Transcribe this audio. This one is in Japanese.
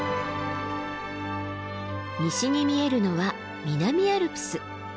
西に見えるのは南アルプス。